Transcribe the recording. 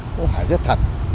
cũng hỏi rất thật